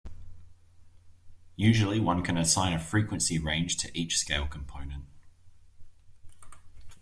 Usually one can assign a frequency range to each scale component.